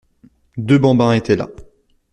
Deux bambins étaient là.